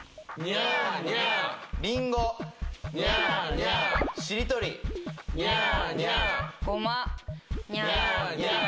ニャーニャー。